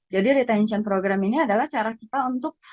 jadi retention program ini adalah cara kita untuk